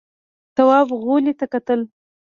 تواب غولي ته کتل….